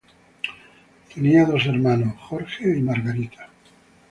Tenía dos hermanos, George y Margaret.